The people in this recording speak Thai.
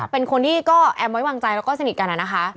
เป็นคนที่ก็แอมไว้วางใจแล้วก็สนิทกันอะนะคะ